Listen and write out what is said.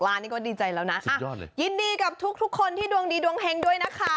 ๖ล้านก็ดีใจแล้วนะยินดีกับทุกคนที่ดวงดีดวงแฮงด้วยนะคะ